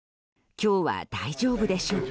今日は大丈夫でしょうか。